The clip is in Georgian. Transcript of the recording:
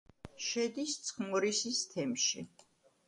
შედის ცხმორისის თემში.